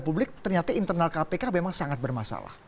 publik ternyata internal kpk memang sangat bermasalah